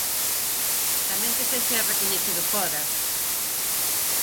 Tamén que sexa recoñecido fóra.